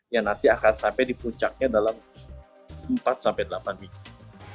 yang nanti akan sampai di puncaknya dalam empat sampai delapan minggu